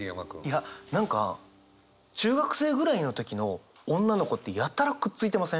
いや何か中学生ぐらいの時の女の子ってやたらくっついてません？